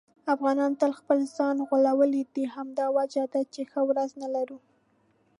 افغانانو تل خپل ځان غولولی دی. همدا وجه ده چې ښه ورځ نه لرو.